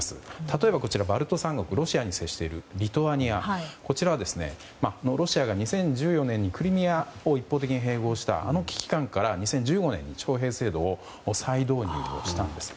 例えば、バルト三国のロシアに接しているリトアニアはロシアが２０１４年にクリミアを一方的に併合したあの危機感から２０１５年に徴兵制度を再導入したんです。